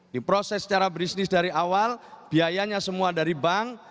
diproses secara bisnis dari awal biayanya semua dari bank